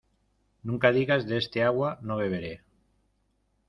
Nunca digas de este agua no beberé.